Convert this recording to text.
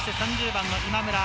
３０番の今村。